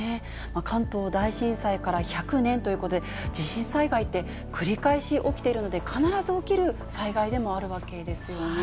関東大震災から１００年ということで、地震災害って繰り返し起きているので、必ず起きる災害でもあるわけですよね。